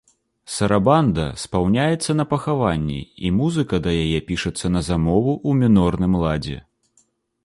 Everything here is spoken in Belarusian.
Сарабанда спаўняецца на пахаванні, і музыка да яе пішацца на замову ў мінорным ладзе.